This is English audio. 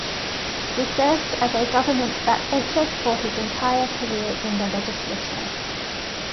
He served as a government backbencher for his entire career in the legislature.